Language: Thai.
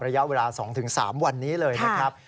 ระยะเวลา๒๓วันนี้เลยนะครับ